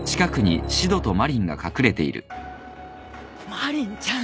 ・マリンちゃん。